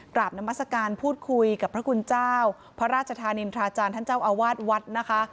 นามัศกาลพูดคุยกับพระคุณเจ้าพระราชธานินทราจารย์ท่านเจ้าอาวาสวัดนะคะ